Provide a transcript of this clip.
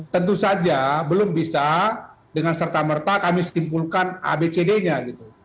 tentu saja belum bisa dengan serta merta kami simpulkan abcd nya gitu